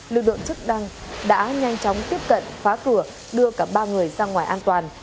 lưu lượng chức đăng đã nhanh chóng tiếp cận phá cửa đưa cả ba người sang ngoài an toàn